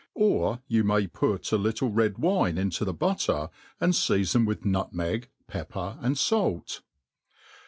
Or you may put a little red wine into the butteCt und feafon with nutmeg, pepper, and fait.